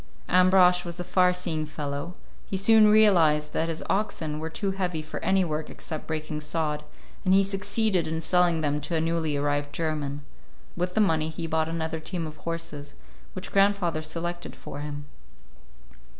Ambrosch was a far seeing fellow; he soon realized that his oxen were too heavy for any work except breaking sod, and he succeeded in selling them to a newly arrived German. With the money he bought another team of horses, which grandfather selected for him.